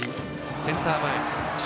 センター前。